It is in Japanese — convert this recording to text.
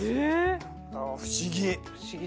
不思議。